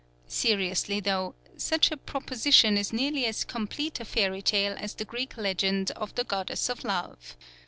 Seriously though, such a proposition is nearly as complete a fairy tale as the Greek legend of the Goddess of Love.